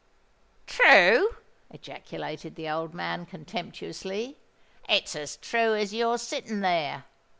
"True!" ejaculated the old man, contemptuously: "it's as true as you're sitting there!